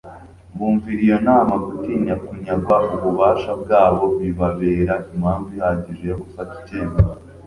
Bumvira iyo nama. Gutinya kunyagwa ububasha bwabo bibabera impamvu ihagije yo gufata icyemezo.